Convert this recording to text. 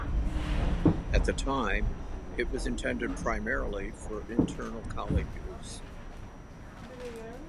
At the time, it was intended primarily for internal college use.